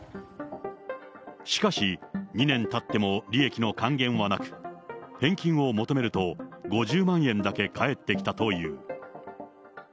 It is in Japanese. しかし、２年たっても利益の還元はなく、返金を求めると、５０万円だけ返ってきたという。